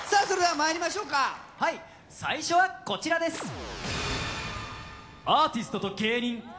それではまいりましょうかはい最初はこちらです